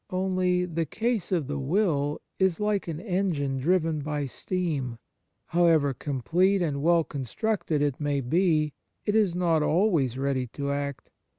Only, the case of the will is like an engine driven by steam. However complete and well constructed it may be, it is not always ready to act.